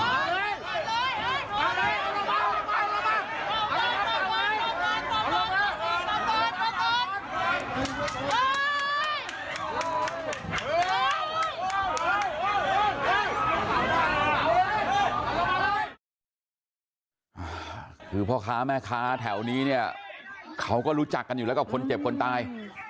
คือพ่อค้าแม่ค้าแถวนี้เนี่ยเขาก็รู้จักกันอยู่แล้วกับคนเจ็บคนตาย